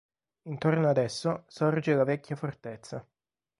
Intorno ad esso sorge la vecchia fortezza.